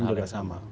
iya pasal itu sama